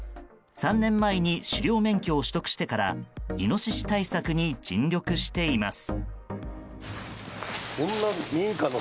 ３年前に狩猟免許を取得してからイノシシ対策に尽力しています。